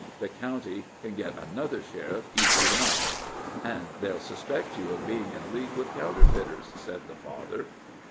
The county can get another sheriff easy enough." "And they'll suspect you of being in league with counterfeiters," said the father.